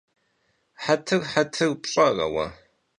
Хьэтыр… Хьэтыр пщӀэрэ уэ?